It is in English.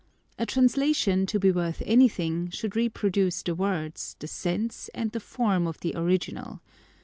A translation, to be worth anything, should repro duce the words, the sense, and the form of the original.